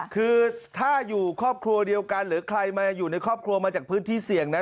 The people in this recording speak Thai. คือถ้าอยู่ครอบครัวเดียวกันหรือใครมาอยู่ในครอบครัวมาจากพื้นที่เสี่ยงนะ